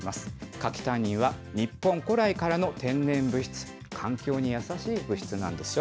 柿タンニンは、日本古来からの天然物質、環境に優しい物質なんですよ。